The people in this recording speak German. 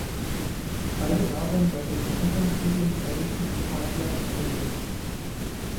Beide waren seit der gemeinsamen Studienzeit in Pavia befreundet.